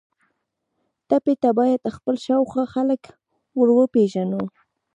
ټپي ته باید خپل شاوخوا خلک وروپیژنو.